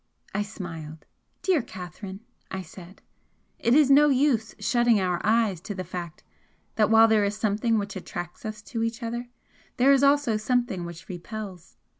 I smiled. "Dear Catherine," I said "it is no use shutting our eyes to the fact that while there is something which attracts us to each other, there is also something which repels.